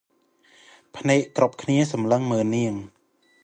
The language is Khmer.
ភ្នែកគ្រប់គ្នាតាមសម្លឹងមើលនាង។